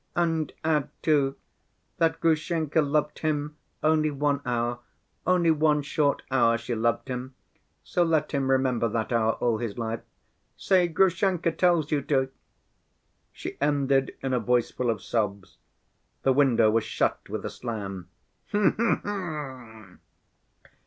And add, too, that Grushenka loved him only one hour, only one short hour she loved him—so let him remember that hour all his life—say, 'Grushenka tells you to!' " She ended in a voice full of sobs. The window was shut with a slam. "H'm, h'm!"